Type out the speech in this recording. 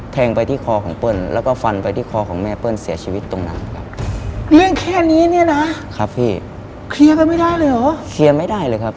แทงไปที่คอของเปิ้ล